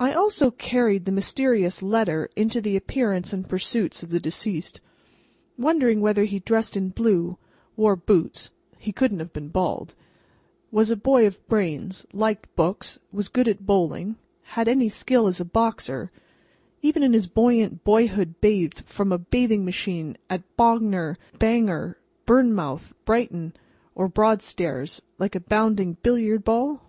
I also carried the mysterious letter into the appearance and pursuits of the deceased; wondering whether he dressed in Blue, wore Boots (he couldn't have been Bald), was a boy of Brains, liked Books, was good at Bowling, had any skill as a Boxer, even in his Buoyant Boyhood Bathed from a Bathing machine at Bognor, Bangor, Bournemouth, Brighton, or Broadstairs, like a Bounding Billiard Ball?